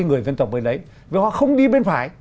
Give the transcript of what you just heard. người dân tộc bên đấy vì họ không đi bên phải